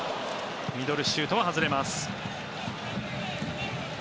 ミドルシュートは外れます。